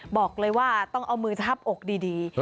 บอกเลยว่าต้องเอามือทับอกดี